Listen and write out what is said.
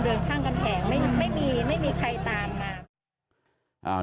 ไม่มีใครตามมา